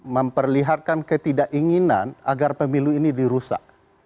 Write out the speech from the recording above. memperlihatkan ketidakinginan agar pemilu ini dirusak